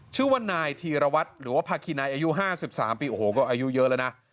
ชื่อว่านายธีรวัตรหรือว่าภาคินัยอายุ๕๓ปีโอ้โหก็อายุเยอะแล้วนะ